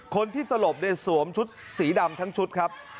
คนที่สลบในสวมชุดสีดำทั้งชุดครับ